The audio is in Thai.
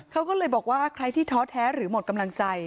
เขาก็เลยบอกว่าใครที่ท้อแท้หรือหมดกำลังใจ